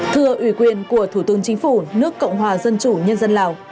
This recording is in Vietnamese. thưa ủy quyền của thủ tướng chính phủ nước cộng hòa dân chủ nhân dân lào